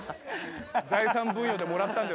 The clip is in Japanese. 財産分与でもらったんじゃな